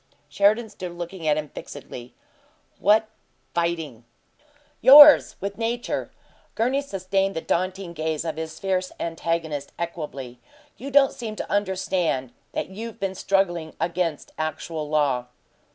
Sheridan stood looking at him fixedly. "What 'fighting?'" "Yours with nature." Gurney sustained the daunting gaze of his fierce antagonist equably. "You don't seem to understand that you've been struggling against actual law."